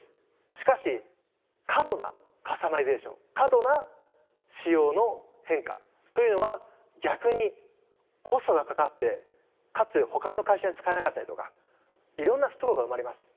しかし過度なカスタマイゼーション過度な仕様の変化というのは逆にコストがかかってかつほかの会社で使えなかったりとかいろんな不都合が生まれます。